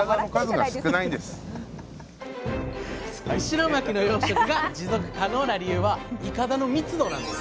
石巻の養殖が持続可能な理由はいかだの密度なんです。